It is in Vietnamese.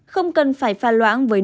không cần phải pha loãng với nước